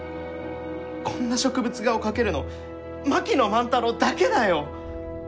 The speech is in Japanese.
こんな植物画を描けるの槙野万太郎だけだよ！